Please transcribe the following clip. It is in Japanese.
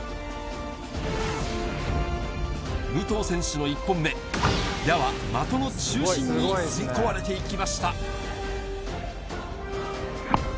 武藤選手の１本目、矢は的の中心に吸い込まれていきました。